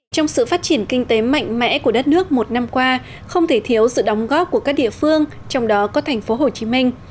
trong sự phát triển kinh tế mạnh mẽ của đất nước một năm qua không thể thiếu sự đóng góp của các địa phương trong đó có thành phố hồ chí minh